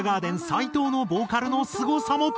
斎藤のボーカルのすごさも！